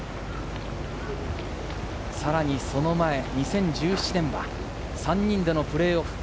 さらにその前、２０１７年は３人でのプレーオフ。